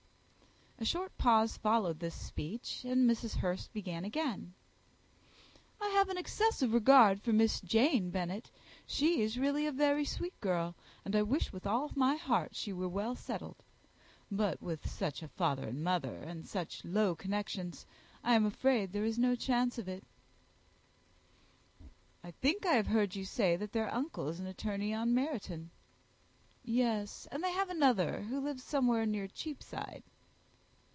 A short pause followed this speech, and Mrs. Hurst began again, "I have an excessive regard for Jane Bennet, she is really a very sweet girl, and I wish with all my heart she were well settled. But with such a father and mother, and such low connections, I am afraid there is no chance of it." "I think I have heard you say that their uncle is an attorney in Meryton?" "Yes; and they have another, who lives somewhere near Cheapside."